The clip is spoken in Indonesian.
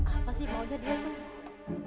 apa sih maunya dia tuh